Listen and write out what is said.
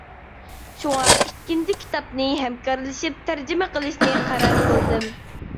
شۇڭا ئىككىنچى كىتابنى ھەمكارلىشىپ تەرجىمە قىلىشنى قارار قىلدىم.